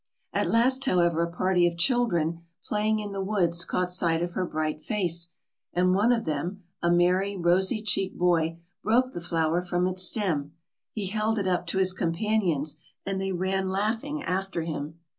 At last, however, a party of children playing in the woods caught sight of her bright face, and one of them a merry, rosy cheeked boy broke the flower from its stem. He held it up to his companions, and they ran laughing after him.